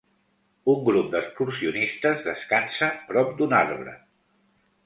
Un grup d'excursionistes descansa prop d'un arbre.